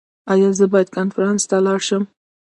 ایا زه باید کنفرانس ته لاړ شم؟